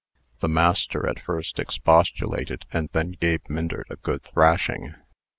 The master at first expostulated, and then gave Myndert a good thrashing.